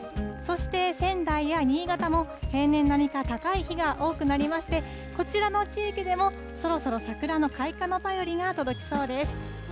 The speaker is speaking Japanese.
そして、仙台や新潟も平年並みか高い日が多くなりまして、こちらの地域でもそろそろ桜の開花の便りが届きそうです。